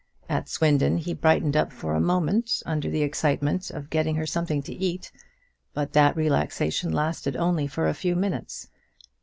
At Swindon he brightened up for a moment under the excitement of getting her something to eat, but that relaxation lasted only for a few minutes.